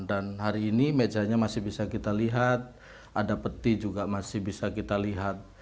dan hari ini mejanya masih bisa kita lihat ada peti juga masih bisa kita lihat